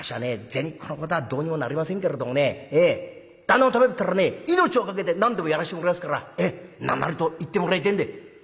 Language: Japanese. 銭っこのことはどうにもなりませんけれどもね旦那のためだったらね命を懸けて何でもやらしてもらいますから何なりと言ってもらいてえんで」。